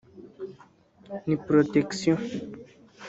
ni protection”